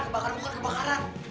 kebakaran bukan kebakaran